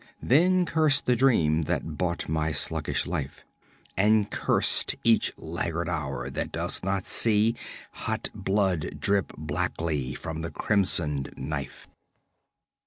Then curst the dream that bought my sluggish life; And curst each laggard hour that does not see Hot blood drip blackly from the crimsoned knife.